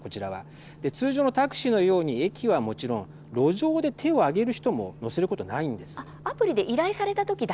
通常のタクシーのように駅はもちろん路上で手を上げる人も乗せることはないんです。